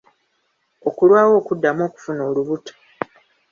Okulwawo okuddamu okufuna olubuto.